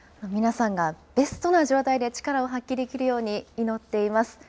皆さんがベストな状態で力を発揮できるように祈っています。